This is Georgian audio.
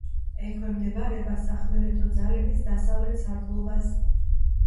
ექვემდებარება სახმელეთო ძალების დასავლეთ სარდლობას.